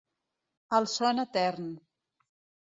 El son etern.